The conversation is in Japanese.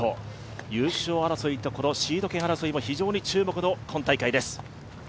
優勝争いと、このシード権争いも非常に注目です。